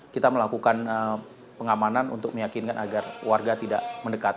kita melakukan pengamanan untuk meyakinkan agar warga tidak mendekat